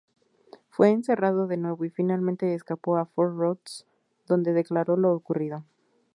Fue encerrado de nuevo, y finalmente escapó a Fort Ross, donde declaró lo ocurrido.